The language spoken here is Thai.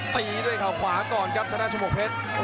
ตีด้วยเขาขวาก่อนครับธนาชมกเพชร